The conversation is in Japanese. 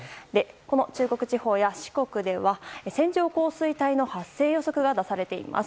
中国地方や四国では線状降水帯の発生予測が出されています。